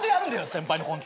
先輩のコント。